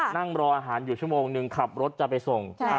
นั่งรออาหารอยู่ชั่วโมงนึงขับรถจะไปส่ง